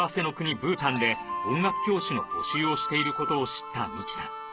ブータンで音楽教師の募集をしていることを知った美紀さん